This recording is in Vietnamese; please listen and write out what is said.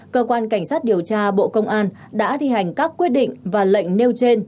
cơ quan cảnh sát điều tra bộ công an đã thi hành các quyết định và lệnh nêu trên